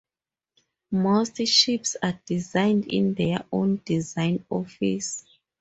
Most ships are designed in their own design office.